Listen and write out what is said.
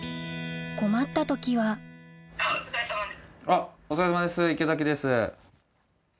困った時はお疲れさまです池崎です。